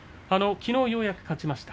きのうようやく勝ちました。